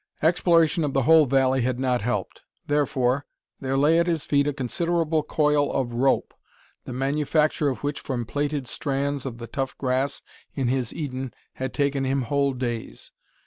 Exploration of the whole valley had not helped. Therefore, there lay at his feet a considerable coil of rope, the manufacture of which from plaited strands of the tough grass in his Eden had taken him whole days.